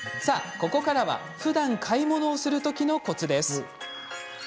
ここからはふだん買い物をするときのコツです。